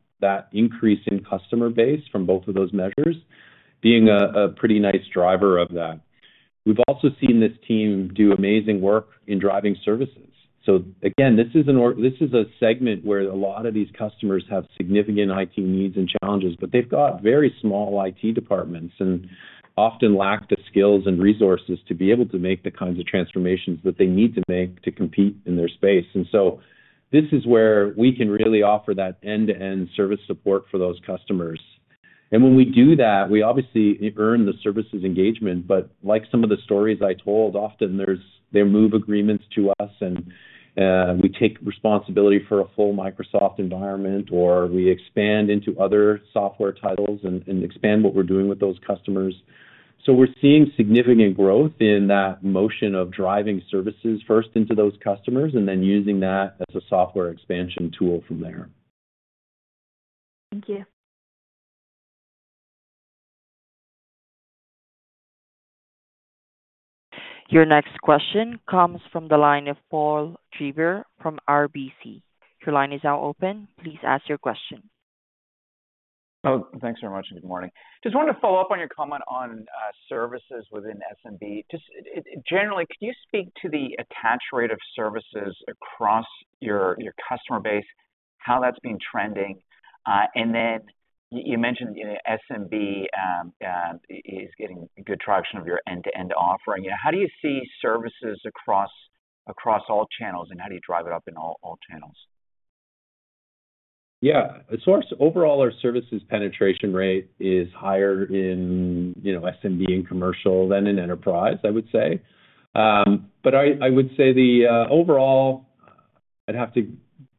increase in customer base from both of those measures being a pretty nice driver of that. We've also seen this team do amazing work in driving services, so again, this is a segment where a lot of these customers have significant IT needs and challenges, but they've got very small IT departments and often lack the skills and resources to be able to make the kinds of transformations that they need to make to compete in their space. And so this is where we can really offer that end-to-end service support for those customers. And when we do that, we obviously earn the services engagement. But like some of the stories I told, often they move agreements to us, and we take responsibility for a full Microsoft environment, or we expand into other software titles and expand what we're doing with those customers. So we're seeing significant growth in that motion of driving services first into those customers and then using that as a software expansion tool from there. Thank you. Your next question comes from the line of Paul Treiber from RBC. Your line is now open. Please ask your question. Oh, thanks very much. And good morning. Just wanted to follow up on your comment on services within SMB. Just generally, could you speak to the attach rate of services across your customer base, how that's been trending? And then you mentioned SMB is getting good traction of your end-to-end offering. How do you see services across all channels, and how do you drive it up in all channels Yeah. So overall, our services penetration rate is higher in SMB and commercial than in enterprise, I would say. But I would say the overall, I'd have to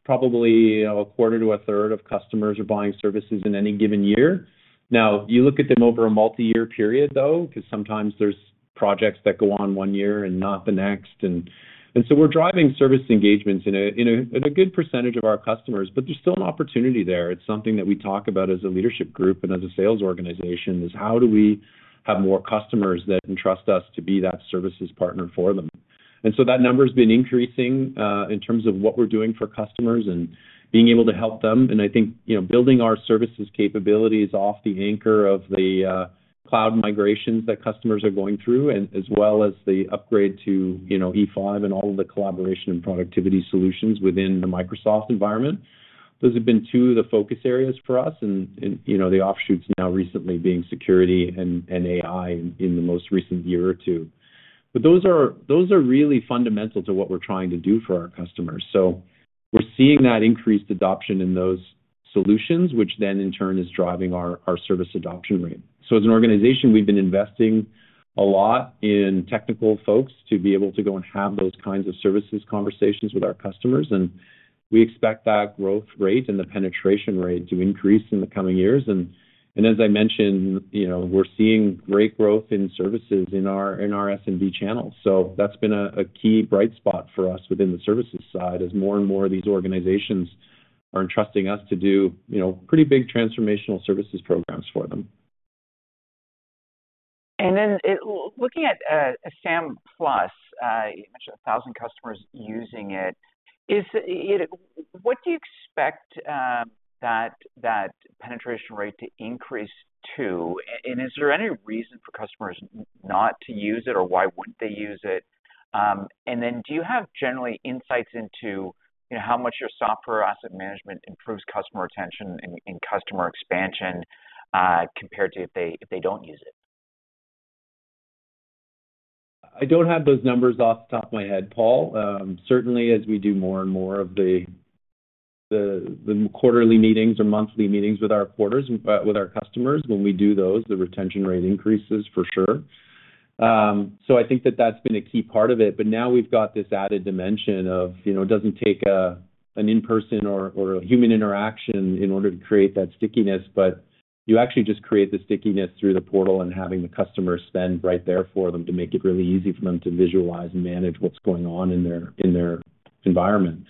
probably a quarter to a third of customers are buying services in any given year. Now, you look at them over a multi-year period, though, because sometimes there's projects that go on one year and not the next. And so we're driving service engagements in a good percentage of our customers, but there's still an opportunity there. It's something that we talk about as a leadership group and as a sales organization, is how do we have more customers that entrust us to be that services partner for them. And so that number has been increasing in terms of what we're doing for customers and being able to help them. And I think building our services capabilities off the anchor of the cloud migrations that customers are going through, as well as the upgrade to E5 and all of the collaboration and productivity solutions within the Microsoft environment, those have been two of the focus areas for us. And the offshoots now recently being security and AI in the most recent year or two. But those are really fundamental to what we're trying to do for our customers. So we're seeing that increased adoption in those solutions, which then in turn is driving our service adoption rate. So as an organization, we've been investing a lot in technical folks to be able to go and have those kinds of services conversations with our customers. And we expect that growth rate and the penetration rate to increase in the coming years. And as I mentioned, we're seeing great growth in services in our SMB channels. So that's been a key bright spot for us within the services side as more and more of these organizations are entrusting us to do pretty big transformational services programs for them. And then looking at a SAM Plus, you mentioned 1,000 customers using it. What do you expect that penetration rate to increase to? And is there any reason for customers not to use it, or why wouldn't they use it? And then do you have generally insights into how much your software asset management improves customer retention and customer expansion compared to if they don't use it? I don't have those numbers off the top of my head, Paul. Certainly, as we do more and more of the quarterly meetings or monthly meetings with our customers, when we do those, the retention rate increases for sure. So I think that that's been a key part of it. But now we've got this added dimension of it doesn't take an in-person or a human interaction in order to create that stickiness, but you actually just create the stickiness through the portal and having the customer spend right there for them to make it really easy for them to visualize and manage what's going on in their environment.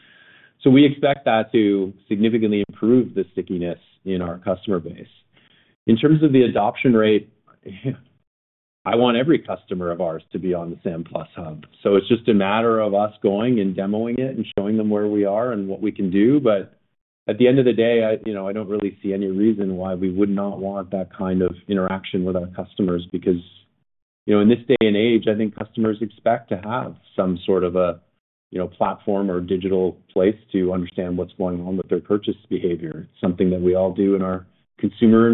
So we expect that to significantly improve the stickiness in our customer base. In terms of the adoption rate, I want every customer of ours to be on the SAM Plus Hub. So it's just a matter of us going and demoing it and showing them where we are and what we can do. But at the end of the day, I don't really see any reason why we would not want that kind of interaction with our customers because in this day and age, I think customers expect to have some sort of a platform or digital place to understand what's going on with their purchase behavior. It's something that we all do in our consumer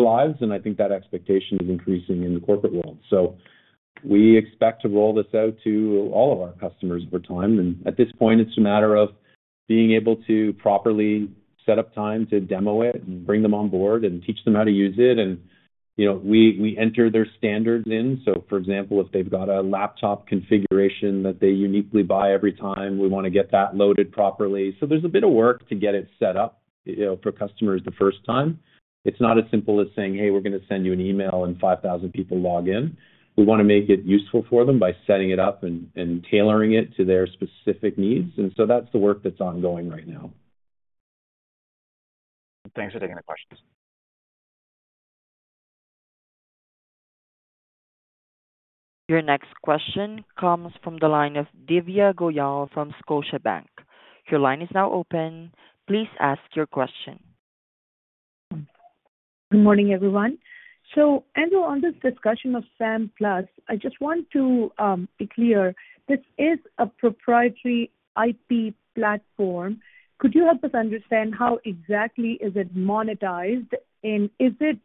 lives, and I think that expectation is increasing in the corporate world. So we expect to roll this out to all of our customers over time. And at this point, it's a matter of being able to properly set up time to demo it and bring them on board and teach them how to use it. And we enter their standards in. So for example, if they've got a laptop configuration that they uniquely buy every time, we want to get that loaded properly. So there's a bit of work to get it set up for customers the first time. It's not as simple as saying, "Hey, we're going to send you an email and 5,000 people log in." We want to make it useful for them by setting it up and tailoring it to their specific needs. And so that's the work that's ongoing right now. Thanks for taking the questions. Your next question comes from the line of Divya Goyal from Scotiabank. Your line is now open. Please ask your question. Good morning, everyone. So as we're on this discussion of SAM Plus, I just want to be clear. This is a proprietary IP platform. Could you help us understand how exactly is it monetized? And is it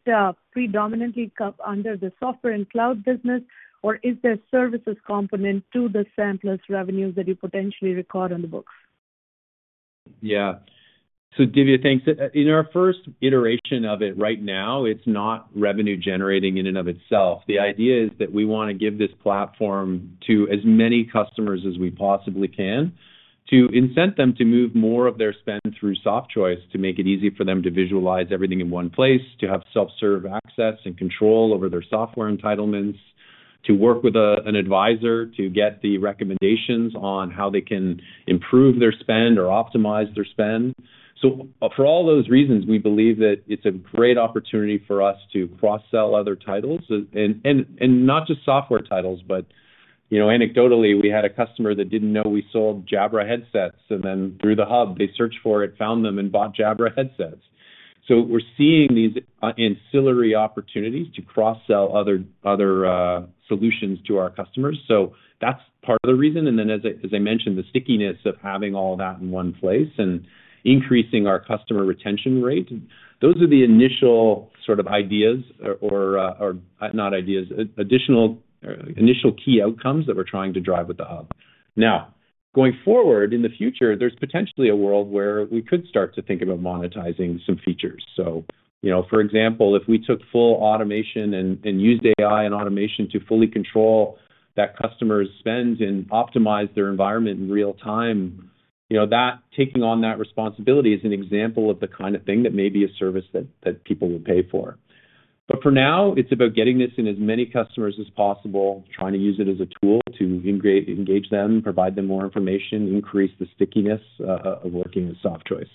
predominantly under the software and cloud business, or is there a services component to the SAM Plus revenues that you potentially record on the books? Yeah. So Divya, thanks. In our first iteration of it right now, it's not revenue-generating in and of itself. The idea is that we want to give this platform to as many customers as we possibly can to incent them to move more of their spend through Softchoice to make it easy for them to visualize everything in one place, to have self-serve access and control over their software entitlements, to work with an advisor to get the recommendations on how they can improve their spend or optimize their spend. So for all those reasons, we believe that it's a great opportunity for us to cross-sell other titles, and not just software titles, but anecdotally, we had a customer that didn't know we sold Jabra headsets. And then through the hub, they searched for it, found them, and bought Jabra headsets. So we're seeing these ancillary opportunities to cross-sell other solutions to our customers. So that's part of the reason. And then, as I mentioned, the stickiness of having all that in one place and increasing our customer retention rate, those are the initial sort of ideas or not ideas, initial key outcomes that we're trying to drive with the hub. Now, going forward in the future, there's potentially a world where we could start to think about monetizing some features. So for example, if we took full automation and used AI and automation to fully control that customer's spend and optimize their environment in real time, taking on that responsibility is an example of the kind of thing that may be a service that people will pay for. But for now, it's about getting this in as many customers as possible, trying to use it as a tool to engage them, provide them more information, increase the stickiness of working with Softchoice.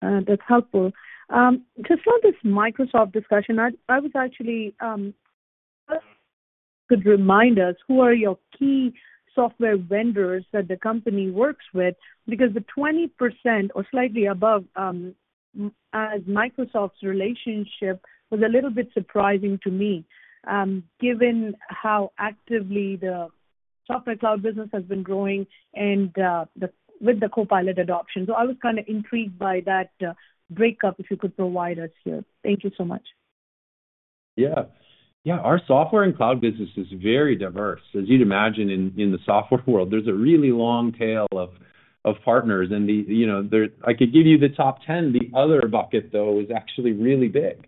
That's helpful. Just for this Microsoft discussion, I was actually going to remind us, who are your key software vendors that the company works with? Because the 20% or slightly above as Microsoft's relationship was a little bit surprising to me, given how actively the software cloud business has been growing with the Copilot adoption. So I was kind of intrigued by that breakdown if you could provide us here. Thank you so much. Yeah. Yeah. Our software and cloud business is very diverse. As you'd imagine, in the software world, there's a really long tail of partners. And I could give you the top 10. The other bucket, though, is actually really big.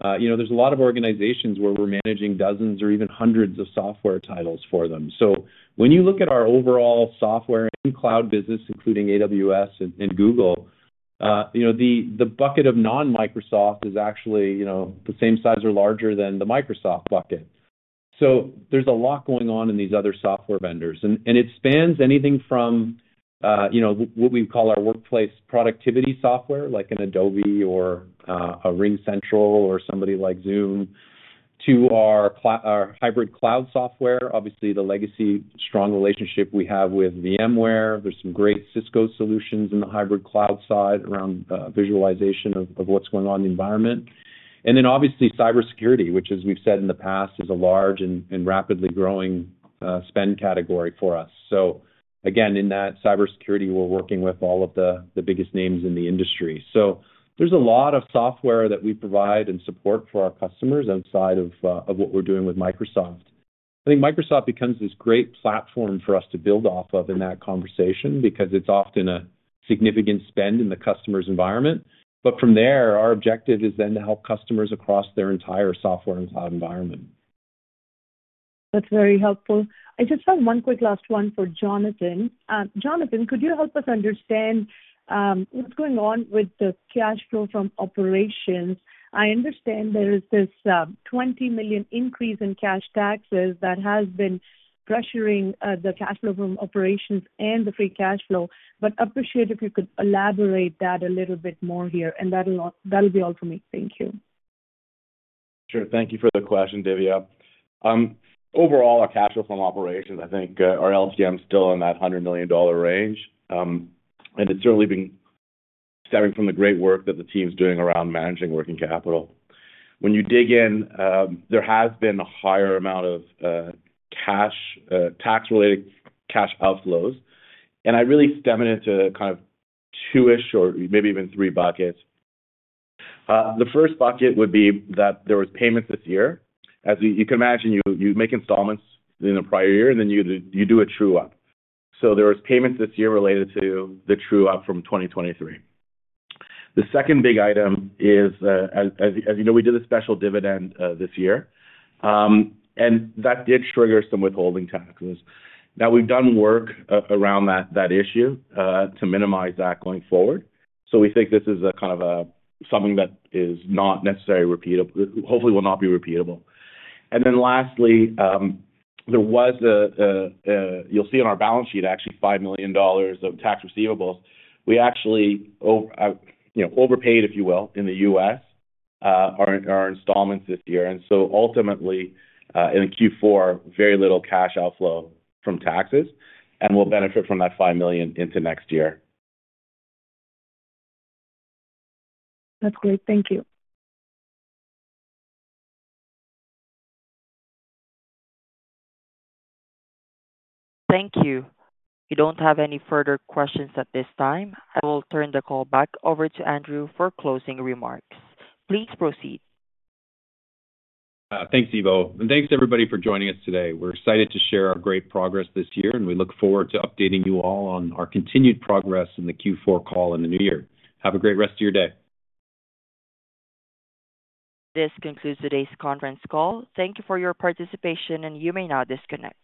There's a lot of organizations where we're managing dozens or even hundreds of software titles for them. So when you look at our overall software and cloud business, including AWS and Google, the bucket of non-Microsoft is actually the same size or larger than the Microsoft bucket. So there's a lot going on in these other software vendors. And it spans anything from what we call our workplace productivity software, like an Adobe or a RingCentral or somebody like Zoom, to our hybrid cloud software. Obviously, the legacy strong relationship we have with VMware. There's some great Cisco solutions in the hybrid cloud side around virtualization of what's going on in the environment. And then obviously, cybersecurity, which, as we've said in the past, is a large and rapidly growing spend category for us. So again, in that cybersecurity, we're working with all of the biggest names in the industry. So there's a lot of software that we provide and support for our customers outside of what we're doing with Microsoft. I think Microsoft becomes this great platform for us to build off of in that conversation because it's often a significant spend in the customer's environment. But from there, our objective is then to help customers across their entire software and cloud environment. That's very helpful. I just have one quick last one for Jonathan. Jonathan, could you help us understand what's going on with the cash flow from operations? I understand there is this $20 million increase in cash taxes that has been pressuring the cash flow from operations and the free cash flow. But I appreciate if you could elaborate that a little bit more here. And that'll be all for me. Thank you. Sure. Thank you for the question, Divya. Overall, our cash flow from operations, I think our LTM is still in that $100 million range. And it's certainly been stemming from the great work that the team is doing around managing working capital. When you dig in, there has been a higher amount of tax-related cash outflows. And I really stem it into kind of two-ish or maybe even three buckets. The first bucket would be that there were payments this year. As you can imagine, you make installments in the prior year, and then you do a true-up. So there were payments this year related to the true-up from 2023. The second big item is, as you know, we did a special dividend this year. And that did trigger some withholding taxes. Now, we've done work around that issue to minimize that going forward. So we think this is kind of something that is not necessarily repeatable. Hopefully, it will not be repeatable. And then lastly, there was a—you'll see on our balance sheet, actually, $5 million of tax receivables. We actually overpaid, if you will, in the U.S., our installments this year. And so ultimately, in Q4, very little cash outflow from taxes. And we'll benefit from that 5 million into next year. That's great. Thank you. Thank you. We don't have any further questions at this time. I will turn the call back over to Andrew for closing remarks. Please proceed. Thanks, Ivo. And thanks, everybody, for joining us today. We're excited to share our great progress this year, and we look forward to updating you all on our continued progress in the Q4 call in the new year. Have a great rest of your day. This concludes today's conference call. Thank you for your participation, and you may now disconnect.